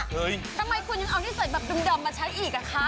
เฮ้ยทำไมคุณยังเอาที่ใส่แบบดุ่มมาใช้อีกอ่ะคะ